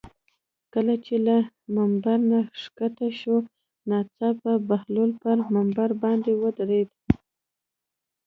کله چې له ممبر نه ښکته شو ناڅاپه بهلول پر ممبر باندې ودرېد.